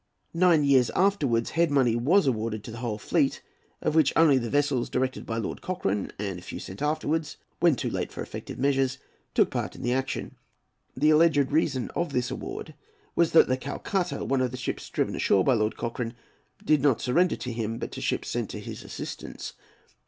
Nine years afterwards head money was awarded to the whole fleet, of which only the vessels directed by Lord Cochrane and a few sent afterwards, when too late for effective measures, took part in the action. The alleged reason of this award was that the Calcutta, one of the ships driven ashore by Lord Cochrane, did not surrender to him, but to ships sent to his assistance.